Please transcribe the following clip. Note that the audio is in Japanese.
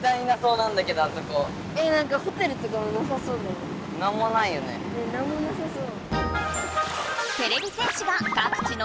なんもなさそう。